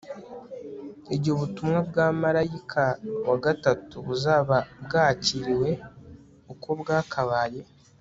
igihe ubutumwa bwa marayika wa gatatu buzaba bwakiriwe uko bwakabaye